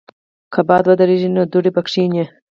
که باد ودریږي، نو دوړه به کښېني.